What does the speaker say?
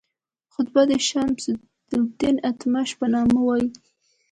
خطبه به د شمس الدین التمش په نامه وایي.